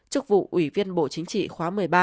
chức vụ ủy viên bộ chính trị khóa một mươi ba